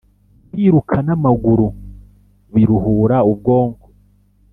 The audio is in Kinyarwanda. Kwiruka namaguru biruhura ubwonko